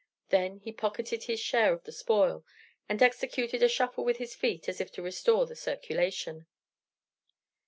Then he pocketed his share of the spoil, and executed a shuffle with his feet as if to restore the circulation.